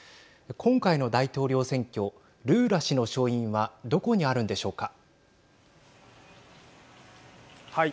今回の大統領選挙ルーラ氏の勝因はどこにあるんでしょうか。